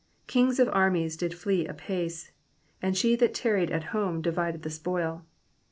12 Kings of armies did flee apace : and she that tarried at home divided the spoil.